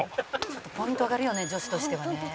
「ポイント上がるよね女子としてはね」